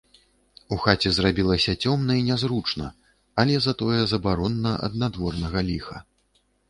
У хаце зрабілася цёмна і нязручна, але затое забаронна ад надворнага ліха.